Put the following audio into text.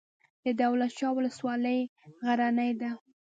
د دولت شاه ولسوالۍ غرنۍ ده